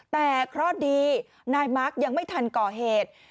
แต่เคราะห์ดีนายมาร์คยังไม่ทันก่อเหตุ